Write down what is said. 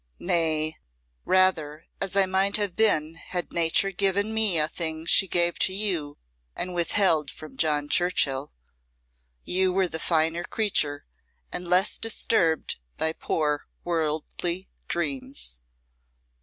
"Nay, rather as I might have been had Nature given me a thing she gave to you and withheld from John Churchill. You were the finer creature and less disturbed by poor worldly dreams."